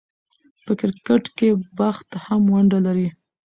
په کرکټ کښي بخت هم ونډه لري.